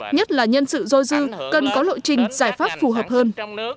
nhất là nhân sự dôi dư cần có lộ trình giải pháp phù hợp hơn